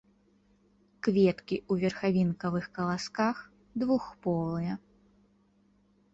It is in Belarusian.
Кветкі ў верхавінкавых каласках, двухполыя.